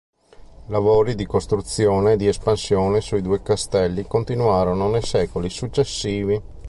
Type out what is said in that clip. Lavori di costruzione e di espansione sui due castelli continuarono nei secoli successivi.